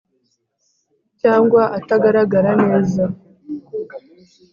cyangwa atagaragara neza